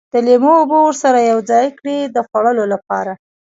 د لیمو اوبه ورسره یوځای کړي د خوړلو لپاره.